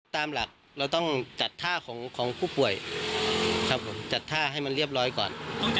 ตามหลักเราต้องจัดท่าของผู้ป่วยครับผมจัดท่าให้มันเรียบร้อยก่อน